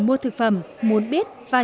mua thực phẩm muốn biết và